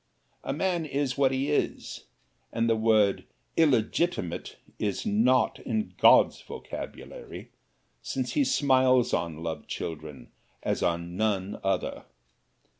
A man is what he is; and the word "illegitimate" is not in God's vocabulary, since He smiles on love children as on none other.